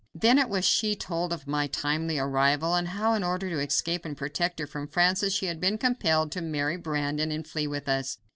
Then it was she told of my timely arrival, and how, in order to escape and protect herself from Francis, she had been compelled to marry Brandon and flee with us.